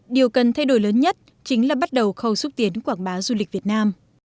điều cần thay đổi lớn nhất chính là bắt đầu khâu xúc tiến quảng bá du lịch việt nam